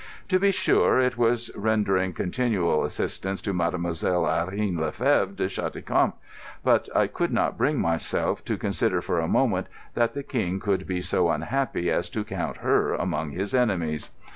To be sure, it was rendering continual assistance to Mademoiselle Irene le Fevre de Cheticamp, but I could not bring myself to consider for a moment that the King could be so unhappy as to count her among his enemies.